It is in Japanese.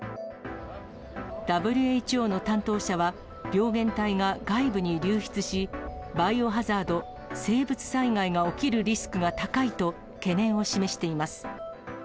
ＷＨＯの担当者は、病原体が外部に流出し、バイオハザード・生物災害が起きるリスクが高いと懸念を示しています。